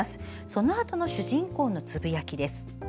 そのあとの主人公のつぶやきです。